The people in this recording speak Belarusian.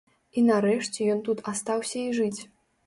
І нарэшце ён тут астаўся і жыць.